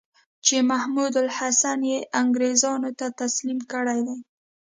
چې محمودالحسن یې انګرېزانو ته تسلیم کړی دی.